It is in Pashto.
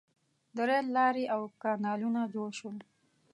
• د رېل لارې او کانالونه جوړ شول.